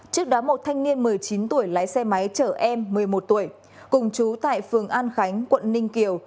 trước đó một thanh niên một mươi chín tuổi lái xe máy chở em một mươi một tuổi cùng chú tại phường an khánh quận ninh kiều